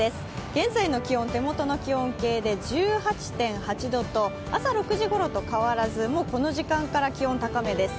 現在の気温、手元の気温計で１８．８度と、朝６時ごろと変わらずもうこの時間から気温高めです。